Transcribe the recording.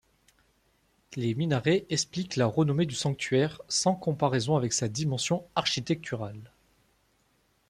Les minarets expliquent la renommée du sanctuaire sans comparaison avec sa dimension architecturale.